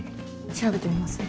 調べてみます？